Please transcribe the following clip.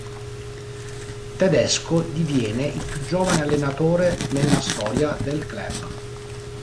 Tedesco diviene il più giovane allenatore nella storia del club.